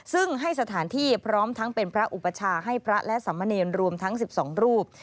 ซึ่งให้สถานที่พร้อมทั้งเป็นพระอุปชาให้พระและสมเนรรวมทั้ง๑๒รูป